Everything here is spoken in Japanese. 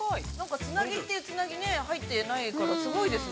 ◆つなぎというつなぎが入ってないから、すごいですね。